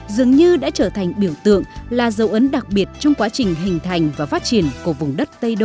dường như đã trở thành biểu tượng là dấu ấn đặc biệt trong quá trình hình thành và phát triển của vùng đất tây đô